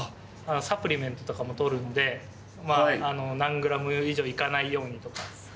サプリメントとかもとるんで、何グラム以上いかないようにとか。